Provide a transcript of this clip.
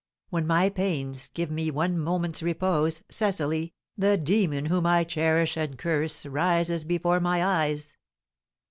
When my pains give me one moment's repose, Cecily, the demon whom I cherish and curse, rises before my eyes!"